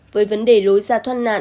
với vấn đề lối ra thoát nạn